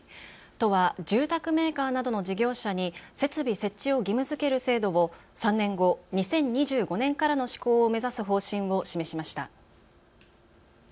都は住宅メーカーなどの事業者に設備設置を義務づける制度を３年後、２０２５年からの施行を目指す方針を示しました。